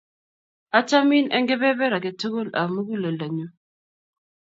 Achamin eng' kepeper ake tukul ap muguleldanyu.